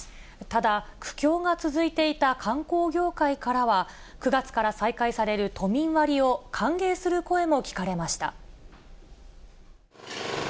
ただ、苦境が続いていた観光業界からは、９月から再開される都民割を歓迎する声も聞かれました。